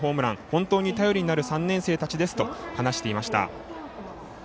本当に頼りになる３年生たちですと話していました。